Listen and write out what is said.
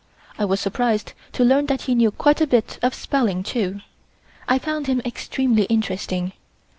I was surprised to learn that he knew quite a bit of spelling, too. I found him extremely interesting.